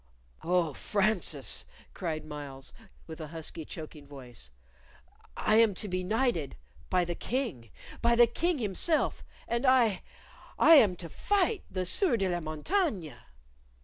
"Oh, Francis!" cried Myles, with a husky choking voice: "I am to be knighted by the King by the King himself; and I I am to fight the Sieur de la Montaigne."